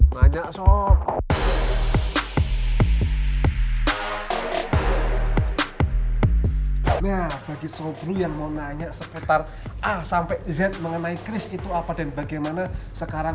nah bagi sop yang mau nanya seputar sampai z mengenai chris itu apa dan bagaimana sekarang